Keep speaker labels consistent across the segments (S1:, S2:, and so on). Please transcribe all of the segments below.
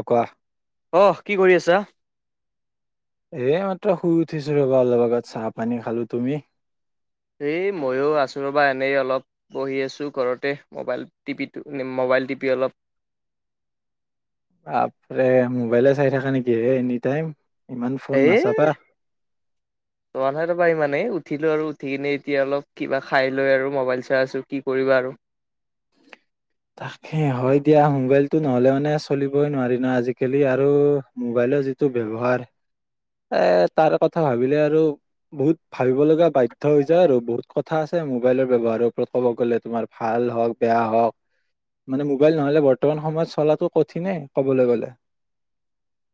S1: অ', কোৱা।
S2: অ', কি কৰি আছা?
S1: এ, মাত্ৰ শুই উঠিছো ৰ'বা অলপ আগত চাহ পানী খালো তুমি।
S2: এই ময়ো আছোঁ ৰ, বা এনেই অলপ বহি আছোঁ ঘৰতে মবাইল টিপিটো মোবাইল টিপি অলপ।
S1: বাপৰে মোবাইলে চাই থাকা নেকি হে এনি টাইম। ইমান ফোন
S2: এ
S1: নাচাবা
S2: চোৱা নাই ৰ, বা ইমানেই উঠিলোঁ আৰু উঠি কিনে এতিয়া অলপ কিবা খাই লৈ আৰু মোবাইল চাই আছোঁ কি কৰিবা আৰু।
S1: তাকে হয় দিয়া মোবাইলতটো নহ'লে মানে চলিবই নোৱাৰি ন' আজিকালি আৰু মোবাইলৰ যিটো ব্যৱহাৰ। এ তাৰ কথা ভাবিলে আৰু বহুত ভাবিব লগা বাধ্য হৈ যায় আৰু বহুত কথা আছে মোবাইলৰ ব্যৱহাৰৰ ওপৰত ক'ব গ'লে তোমাৰ ভাল হওঁক বেয়া হওক মানে মোবাইল নহলে বৰ্তমান সময়ত চলাটো কঠিনে ক'বলৈ গ'লে।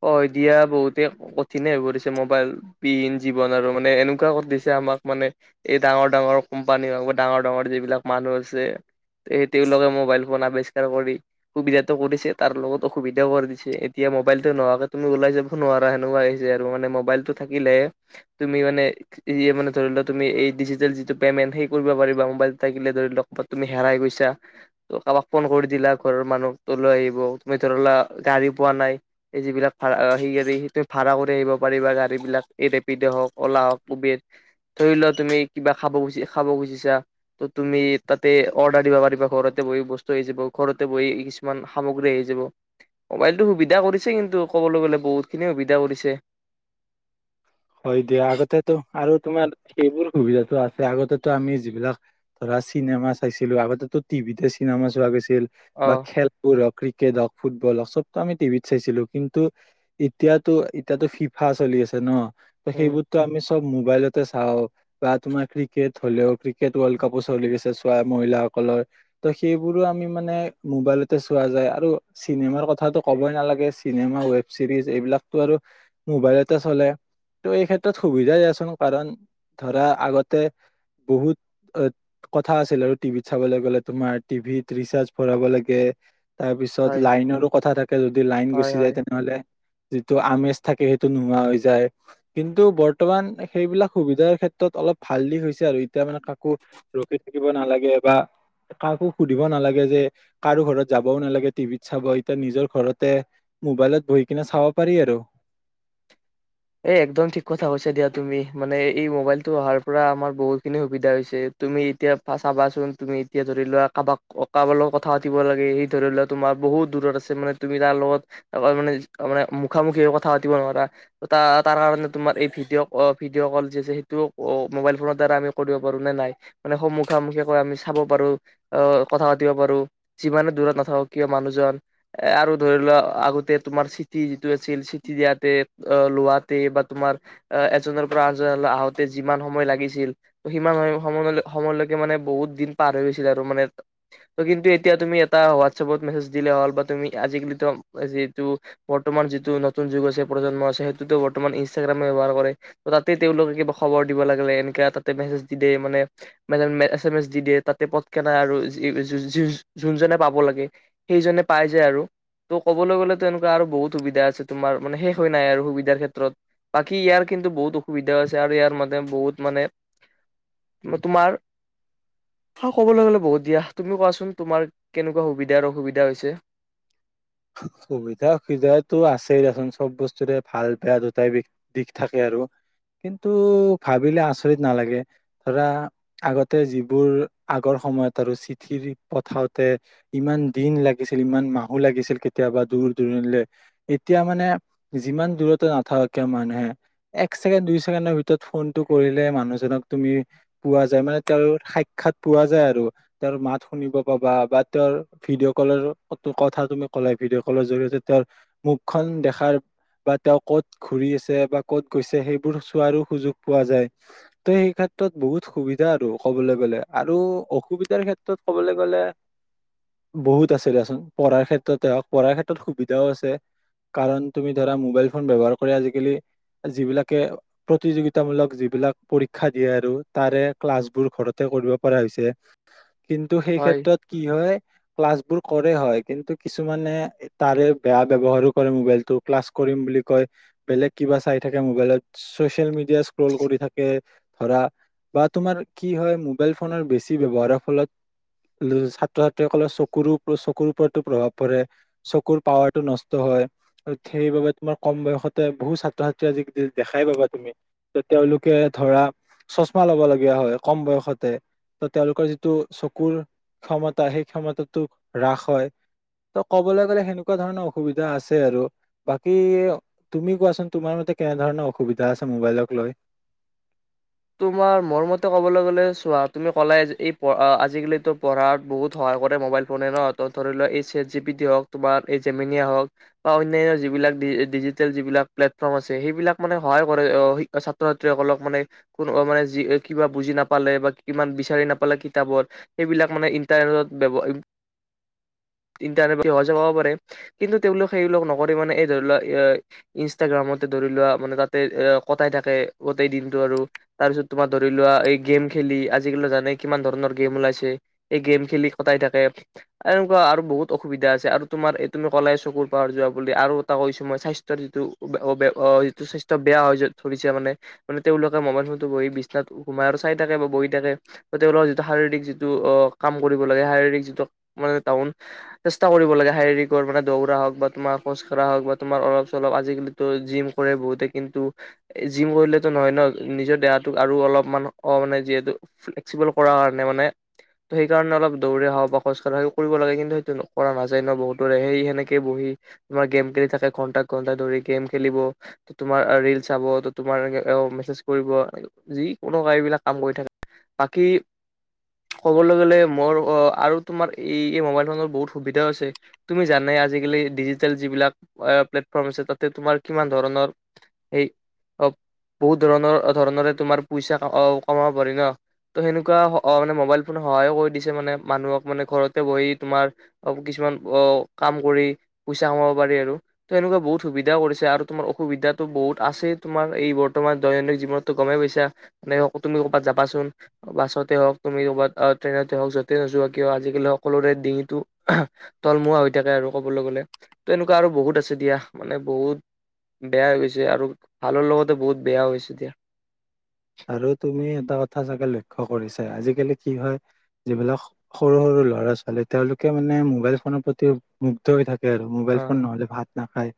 S2: অ', দিয়া বহুতে কঠিনে হৈ পৰিছে মোবাইল বিহীন জীৱন আৰু মানে এনেকুৱা কৰি দিছে আমাক মানে এই ডাঙৰ ডাঙৰ কোম্পানী হওঁক বা ডাঙৰ ডাঙৰ যিবিলাক মানুহ আছে তেওঁলোকে মোবাইল ফোন আৱিষ্কাৰ কৰি সুবিধাতটো কৰিছে তাৰ লগত অসুবিধাও কৰি দিছে এতিয়া মোবাইল তুমি ওলাই যাব নোৱাৰা সেনেকুৱা হৈছে আৰু মানে মোবাইলতটো থাকিলে তুমি মানে ই মানে ধৰি লোৱা তুমি এই ডিজি যিটো পেমেন্ট সেই কৰিব পাৰিবা মবাইল থে ধৰিবাত তুমি হেৰাই গৈছা কাৰোবাক ফোন কৰি দিলা ঘৰৰ মানুহ ত লৈ আহিব তুমি ধৰিলা গাড়ী পোৱা নাই। এই যিবিলাক ভড়া গাড়ী সেয়া তুমি ভাড়া কৰি আহিব পাৰিবা গাড়ী বিলাক ৰেপিডে হওঁক ও'লা হওঁক উবেৰ ধৰি লোৱা তুমি কিবা খাবো খাব গুজিছা ত তুমি তাতে অৰ্ডাৰ দিব পাৰিবা ঘৰতে বহি বস্তু আহি যাব ঘৰতে বহি কিছুমান সামগ্ৰী আহি যাব মোবাইলটো সুবিধা কৰি। কিন্তু ক'বলৈ গ'লে বহুত খিনি সুবিধা কৰিছে।
S1: হয় দিয়া আগতেো আৰু তোমাৰ সেইবোৰ সুবিধাতটো আছে আগতে আমি যিবিলাক ধৰা চিনেমা চাইছিলো আগতেটো টিভিতে চিনেমা চোৱা গৈছিল।
S2: অ
S1: বা খেলবোৰক ক্ৰিকেট হওঁক ফুটবল হওঁক চবতটো আমি টিভিত চাইছিলো কিন্তু এতিয়াতো, এতিয়াতো ফিফা চলি আছে ন'। ত'
S2: উম
S1: সেইবোৰতো আমি চব মোবাইলতে চাওঁ বা তোমাৰ ক্ৰিকেট হ'লেও ক্ৰিকেট ৱৰ্ল্ড কাপো চলি গছে চোৱা মহিলাসকলৰ ত সেইবোৰো আমি মানে মোবাইলতে চোৱা যায় আৰু চিনেমাৰ কথাটো কবই নালাগে চিনেমা ৱেব চিৰিজ এইবিলাকটো আৰু মোবাইলতে চলে। ত' এই ক্ষেত্ৰত সুবিধাই দিয়াচোন কাৰণ ধৰা আগতে বহুত কথা আছিল আৰু টিভিত চাবলৈ গ'লে তোমাৰ টিভিত ৰিচাৰ্জ ভৰাব লাগে। তাৰ পিছত
S2: হয়
S1: লাইনৰো কথা থাকে যদি লাইন
S2: হয়
S1: গুচি
S2: হয়
S1: যায় তেনেহ'লে যিটো আমেজ থাকে সেইটো নোহোৱা হৈ যায়। কিন্তু বৰ্তমান সেইবিলাক সুবিধাৰ ক্ষেত্ৰত অলপ ভাল দিশ হৈছে আৰু এতিয়া মানে কাকো ৰখি থাকিব নালাগে বা কাকো সুধিব নালাগে যে কাৰো ঘৰত যাবও নালাগে টিভিত চাব এতিয়া নিজৰ ঘৰতে মোবাইলত বহি কিনে চাব পাৰি আৰু।
S2: এ একদম ঠিক কথা কৈছ দিয়া তুমি মানে এই মোবাইলতটো অহাৰ পৰা আমাৰ বহুতখিনি সুবিধা হৈছে তুমি এতিয়া চাবাচোন তুমি এতিয়া ধৰি লোৱা কাৰোবাক কাৰবাৰ লগত কথা পাতিব লাগে সি ধৰি লোৱা তোমাৰ বহুত দূৰত আছে মানে তুমি তাৰ লগতেে মুখামুখি কথা পাতিব নোৱাৰা। ত তাৰ কাৰণে তোমাৰ এই ভিডিঅ' ভিডিঅ' কল যি আছে সেইটো মোবাইল ফোনৰ দ্বাৰা আমি কৰিব পাৰো নে নাই মানে স মুখামুখিয় কৈ আমি চাব পাৰো কথা পাতিব পাৰো যিমানে দূৰত নাথাকো কিয় মানুহজন এ, আৰু ধৰি লোৱা আগতে তোমাৰ চিটি যিটো আছিল চিটি দিয়াতে অ', লোৱাতে বা তোমাৰ এজনৰ পৰা আজন আহোতে যিমান সময় লাগিছিল সিমান সম সময় সময়লৈকে মানে বহুত দিন পাৰ হৈ গৈছিল আৰু মানে ত কিন্তু এতিয়া তুমি এটা হোৱাটছএপত মেছেজ দিলে হ'ল বা তুমি আজিকালিত যিটো বৰ্তমান যিটো নতুন যুগ আছে। ন' বৰমান ইনাগ্ৰামে ব্যৱহাৰ কৰে ত তাতে তেওঁলোকে কিবা খবৰ দিব লাগিলে এনেকা তাতে মেছেজ দি দে মানে এছ এম এছ দি দিয়ে তাতে প কে নাই আৰু যোনজনে পাব লাগে সেইজনে পাই যায় আৰু ত ক'বলৈ গ'লো এনেকুৱা আৰু বহুত সুবিধা আছে তোমাৰ মান থৈ নাই আৰু সুবিধাৰ ক্ষেত্ৰত বাকী ইয়াৰ কিন্তু বহুত অসুবিধা হৈছে আৰু ইয়াৰ মানে বহুত মানে তোমাৰ ক'বলৈ গ'লে বহুত দিয়া তুমিও কোৱাচোন তোমাৰ কেনেকুৱা সুবিধা অসুবিধা হৈছে।
S1: সুবিধা অসুবিধটো আছেই দেচোন চব বস্তুৰে ভাল বেয়া দুটাই বি দিশ থাকে আৰু কিন্তু ভাবিলে আচৰিত নালাগে ধৰা আগতে যিবোৰ আগৰ সময়ত আৰু চিঠি পঠাওতে ইমান দিন লাগিছিল ইমান মাহো লাগিছিল। কেতিয়াবা দূৰ দূৰণীলৈ এতিয়া মানে যিমান দূৰতে নাথাককে মানুহে এক ছেকেণ্ড দুই ছেকেণ্ডৰ ভিতৰত ফোনতটো কৰিলে মানুহজনক তুমি পোৱা যায় মানে তেওঁৰ সাক্ষাৎ পোৱা যায় আৰু তেওঁৰ মাত শুনিব পাবা বা তেওঁৰ ভিডিঅ' কলৰ কথা তুমি ক'লে ভিডিঅ' কলৰ জৰিয়তে তেওঁৰ মুখখনন দেখাৰ বা তেওঁ কত ঘূৰি আছে বা ক'ত গৈছে সেইবোৰ চোৱাৰো সুযোগ পোৱা যায় ত সেই ক্ষেত্ৰত বহুত সুবিধা আৰু ক'বলৈ গলে আৰু অসুবিধাৰ ক্ষেত্ৰত ক'বলৈ গলে বহুত আছে দাচোন পঢ়াৰ ক্ষেত্ৰ তে হওঁক পঢ়াৰ ক্ষেত্ৰত সুবিধাও আছে কাৰণ তুমি ধৰা মোবাইল ফোন ব্যৱহাৰ কৰি আজিকালি যিবিলাকে প্ৰতিযোগিতামূলক যিবিলাক পৰীক্ষা দিয়ে আৰু তাৰে ক্লাছবোৰ ঘৰতে কৰিব পৰা হৈছে। কিন্তু সেই
S2: হয়
S1: ক্ষেত্ৰত কি হয় ক্লাছবোৰ কৰে হয় কিন্তু কিছুমানে তাৰে বেয়া ব্যৱহাৰো কৰে মোবাইলটো ক্লাছ কৰিম বুলি কয় বেলেগ কিবা চাই থাকে মোবাইলত চচিয়েল মিডিয়া স্ক্ৰল কৰি থাকে ধৰা বা তোমাৰ কি হয় মোবাইল ফোনৰ বেছি ব্যৱহাৰৰ ফলত ছাত্ৰ ছাত্ৰীসকলৰ চকুৰও চকুৰ ওপৰতো প্ৰভাৱ চকুৰ পাৱাৰটো নষ্ট হয় সেইবাবে তোমাৰ কম বয়সতে বহু ছাত্ৰ ছাত্ৰী আজি দেখাই পাবা তুমি যে তেওঁলোকে ধৰা চচমা লব লগগীয়া হয় কম বয়সতে ত তেওঁলোকৰ যিটো চকুৰ ক্ষমতা সেই ক্ষমতাটো হ্ৰাস হয়। ত ক'বলৈ গ'লে সেনেকুৱা ধৰণৰ অসুবিধা আছে আৰু বাকী তুমি কোৱাচোন তোমাৰ মতে কেনেধৰণৰ অসুবিধা আছে মোবাইলক লৈ?
S2: তোমাৰ মোৰ মতে ক'বলৈ গলে চোৱা তুমি ক'লাই এই আজিকালিতো পঢ়াত বহুত সহায় কৰে মোবাইল ফোনে ন ধৰি লোৱা এই চেট জি পি টি হওক তোমাৰ এই জেমিনিয়া হওঁক বা অনান্য যিবিলাক ডিজিটেল যিবিলাক প্লেটফৰ্ম আছে সেইবিলাক মানে সহায় কৰে ছাত্ৰ ছাত্ৰীসকলক মানে কোনোবা মানে যি কিবা বুজি নাপালে বা কিমান বিচাৰি নাপালে কিতাপত সেইবিলাক মানে ইণ্টাৰনেটত ইটাৰনেট সহজে পাব পাৰে কিন্তু তেওঁলোক সেইবিলাক নকৰি মানে এই ধৰি লোৱা ইনষ্টাগ্ৰামতে ধৰি লোৱা মানে তাতে কটাই থাকে গোটেই দিনটো আৰু তাৰপিছত তোমাৰ ধৰি লোৱা এই গেম খেলি আজিকালি জানে কিমান ধৰণৰ গেম ওলাইছে এই গেম খেলি কটাই থাকে এনেকুৱা আৰু বহুত অসুবিধা আছে আৰু তোমাৰ এই তুমি কলাই চকুৰ পাবাৰ যোৱা বুলি আৰু এটা কৈছো মই স্বাস্থ্যৰ যিটো যিটো স্বাস্থ্য বেয়া হৈ ধৰিছে মানে মানে তেওঁলোকে মবাইল ফ বহি বিছনাত সোমাই আৰু চাই থাকে বা বহি থাকে বা তেওঁলোকৰ যিটো শাৰীৰিক যিটো অ কাম কৰিব লাগে শাৰীৰিক যিটো মানে তাহন চেষ্টা কৰিব লাগে শাৰীৰিকৰ মানে দৌৰা হওক বা তোমাৰ খোজকঢ়া হওঁক বা তোমাৰ অলপ চলপ আজিকালিতো জিম কৰে বহুতে কিন্তু জিম কৰিলে টো নহয় ন। নিজৰ দেহাটোক আৰু অলপমান অ মানে যিহেতু ফ্লেক্সিবল কৰাৰ কাৰণে মানে ত সেই কাৰণে অলপ দৌৰে হওক বা খজ কঢ়াক কৰিব লাগে কিন্তু সেইটো কৰা নাযায় ন বহুত দৰে সেই সেনেকে বহি তোমাৰ গেম খেলি থাকে ঘন্টা ঘন্টা ধৰি গেম খেলিব ত তোমাৰ ৰিলচ চাব ত তোমাৰ মেছেজ কৰিব। যিকোনো এইবিলাক কাম কৰি থাকে বাকী কবলৈ গলে মোৰ আৰু তোমাৰ এই এই মোবাইল ফোনৰ বহুত সুবিধাও আছে তুমি জানাই আজিকালি ডিজিটেল যিবিলাক প্লেটফৰ্ম আছে তাতে তোমাৰ কিমান ধৰণৰ স বহুত ধৰণৰ ধৰণৰে তোমাৰ পইচা কমাব পাৰি ন ত' সেনেকুৱা মানে মোবাইল ফোন সহায়ো কৰি দিছে মানে মানুহক মানে ঘৰতে বহি তোমাৰ কিছুমান অ কাম কৰি পইচা কমাব পাৰি আৰু ত সেনেকুৱা বহুত সুবিধাও কৰিছে আৰু তোমাৰ অসুবিধাটো বহুত আছেই তোমাৰ এই বৰ্তমান দৈনন্দিন জীৱনত গমেই পইছা মানে তুমি ক'ৰবাত যাবাচোন বাছতে হওক তুমি ক'ৰবাত ট্ৰেইনতে হওক য'তেই নোযোৱা কিয় আজিকালি সকলোৰে ডিঙিটো তলমুৱা হৈ থাকে আৰু ক'বলৈ গ'লে ত এনেকুৱা আৰু বহুত আছে দিয়া মানে বহুত বেয়া হৈ গৈছে আৰু ভালৰ লগতে বহুত বেয়াও হৈছে দিয়া।
S1: আৰু তুমি এটা কথা চাগে লক্ষ্য কৰিছাই আজিকালি কি হয় যিবিলাক সৰু সৰু ল'ৰা ছোৱালী তেওঁলোকে মানে মোবাইল ফোনৰ প্ৰতি মুগ্ধ হৈ থাকে। আৰু
S2: অ
S1: মোবাইল ফোন
S2: হয়
S1: নহলে ভাত না খায়।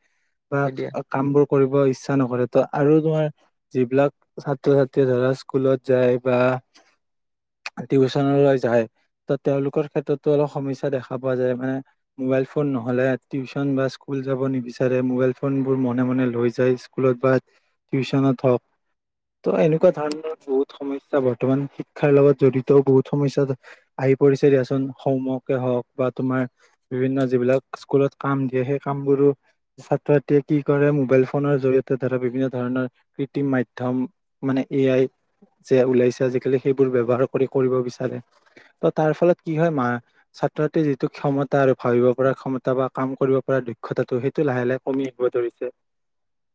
S1: বা
S2: দিয়া
S1: কামবোৰ। কৰিব ইচ্ছা নকৰে ত আৰু তোমাৰ যিবিলাক ছাত্ৰ ছাত্ৰীয়ে ধৰা স্কুলত যায় বা টিউচনলৈ যায় ত তেওঁলোকৰ ক্ষেত্ৰতো অলপ সমস্যা দেখা পোৱা যায় মানে মোবাইল ফোন নহলে টিউচন বা স্কুল যাব নিবিচাৰে মোবাইল ফোনবোৰ মনে মনে লৈ যায় স্কুলত বা টিউচনত হওক। ত এনেকুৱা ধৰণৰ বহুত সমস্যা বৰ্তমান শিক্ষাৰ লগত জড়িতও বহুত সমস্যা আহি পৰিছে দিয়াচোন হোমৱৰ্কে হওক বা তোমাৰ বিভিন্ন যিবিলাক স্কুলত কাম দিয়ে সেই কামবোৰো ছাত্ৰ ছাত্ৰীয়ে কি কৰে মোবাইল ফোনৰ জৰিয়তে ধৰা বিভিন্ন ধৰণৰ কৃত্ৰিম মাধ্যম মানে এ আই যে ওলাইছে আজিকালি সেইবোৰ ব্যৱহাৰ কৰি কৰিব বিচাৰে ত তাৰ ফলত কি হয় মা ছাত্ৰ ছাত্ৰীৰ যিটো ক্ষমতা আৰু ভাবিব পৰা ক্ষমতা বা কাম কৰিব পৰা দক্ষতাটো সেইটো লাহে লাহে কমি আহিব ধৰিছে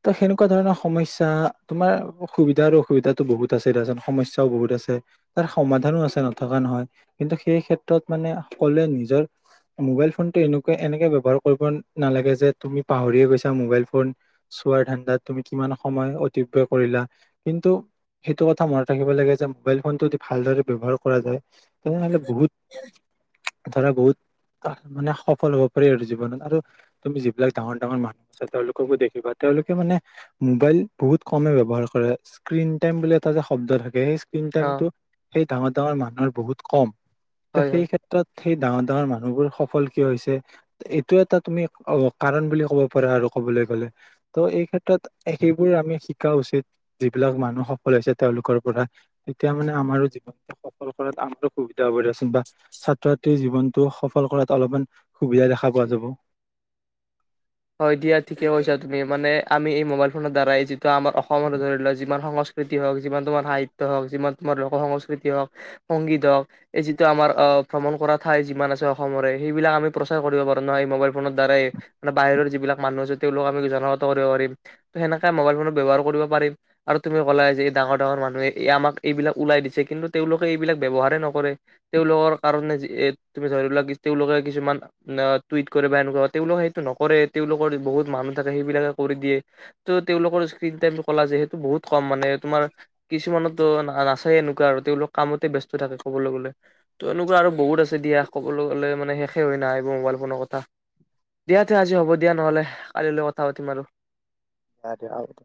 S1: ত সেনেকুৱা ধৰণৰ সমস্যা তোমাৰ সুবিধাৰ অসুবিধাতো বহুত আছে দিয়াচোন সমস্যাও বহুত আছে তাৰ সমাধানো আছে নথকা নহয় কিন্তু সেই ক্ষেত্ৰত মানে সকলোৱে নিজৰ মোবাইল ফোনটো এনেকুৱা এনেকে ব্যৱহাৰ কৰিব নালাগে যে তুমি পাহৰিয়ে গৈছা মোবাইল ফোন চোৱাৰ ধান্দাত তুমি কিমান সময় অতিবয় কৰিলা। কিন্তু সেইটো কথা মনত ৰাখিব লাগে যে মোবাইল ফোনটো যদি ভালদৰে ব্যৱহাৰ কৰা যায়। তেনেহলে বহুত। ধৰা বহুত মানে সফল হ'ব পাৰি আৰু জীৱনত আৰু তুমি যিবিলাক ডাঙৰ ডাঙৰ মানুহ আছে তেওঁলোককো দেখিবা তেওঁলোকে মানে মোবাইল বহুত কমে ব্যৱহাৰ কৰে স্ক্ৰীন টাইম বুলি এটা যে শব্দ থাকে।
S2: অ
S1: এই ডাঙৰ ডাঙৰ মানুহক বহুত কম। ত
S2: হয় হয়
S1: সেই ক্ষেত্ৰত সেই ডাঙৰ ডাঙৰ মানুহবোৰ সফল কিয় হৈছে এইটো এটা তুমি অ কাৰণ বুলি ক'ব পাৰা আৰু কবলৈ গলে ত' এই ক্ষেত্ৰত সেইবোৰ আমি শিকা উচিত। যিবিলাক মানুহ সফল হৈছে তেওঁলোকৰ পৰা তেতিয়া মানে আমাৰো জীৱনটো সফল কৰাত আমাৰো সুবিধা হ'ব দিয়চোন বা ছাত্ৰ ছাত্ৰীৰ জীৱনটো সফল কৰাত অলপমান সুবিধা দেখা পোৱা যাব।
S2: হয় দিয়া ঠিকে কৈছা তুমি মানে আমি এই মোবাইল ফোনৰ দ্বাৰা। ত আমাৰ অসমৰ ধৰি লোৱা যিমান সংস্ ইতি হওক যিমান তোমাৰ সাহিত্য হওক যিমান তোমাৰ লোক সংস্কৃতি হওক সংগীত হওক এই যিটো আমাৰ আহ ভ্ৰমণ কৰা ঠাই যিমান আছে অসমৰে সেইবিলাক আমি প্ৰচাৰ কৰিব পাৰো নহয় এই মোবাইল ফোনৰ দ্বাৰাই মান বাহিৰৰ যিবিলাক মানুহ আছে তেওঁলোকক আমি জনাগত কৰিব পাৰিম ত সেনেকে মোবাইল ফোনত ব্যৱহাৰ কৰিব পাৰিম আৰু তুমি ক'লা যে এই ডাঙৰ ডাঙৰ মানুহে এই আমাক এইবিলাক ওলাই দিছে কিন্তু তেওঁলোকে এইবিলাক ব্যৱহাৰেই নকৰে তেওঁলোকৰ কাৰণে তুমি ধৰি লা তেওঁলোকে কিছুমান টুইট কৰে বা এনেকুৱা তেওঁলোকক নকৰে তেওঁলোকৰ বহুত মানুহ থাকে সেইবিলাকে কৰি দিয়ে ত তেওঁলোকৰ স্ক টাইম কলা যে সেইটো বহুত কম মানে তোমাৰ কিছুমানতো নাচায় এনেকুৱা আৰু তেওঁলোক কামতে বস্ত থাকে কবলৈ গলে ত এনেকুৱা আৰু বহুত আছে দিয়া ক'বলৈ গলে মানে শেষে হয় নাই এইব মোবাইল ফোনৰ কথা। দিয়া তে আজি হ'ব দিয়া নহ'লে কালিলৈ কথা পাতিম আৰু
S1: ব দে হ দ